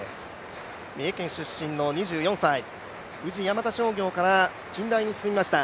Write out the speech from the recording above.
三重県出身の２４歳、宇治山田商業から近大に進みました。